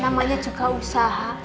namanya juga usaha